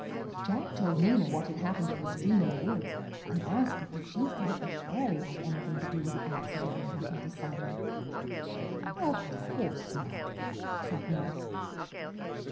Jack told Nina what had happened at the stream in the woods and asked her if she thought the Fairy had anything to do with the accident that happened to Simon. "Of course not," said Nina.